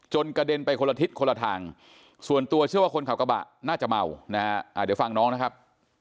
กระเด็นไปคนละทิศคนละทางส่วนตัวเชื่อว่าคนขับกระบะน่าจะเมานะฮะเดี๋ยวฟังน้องนะครับ